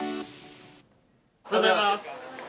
おはようございます。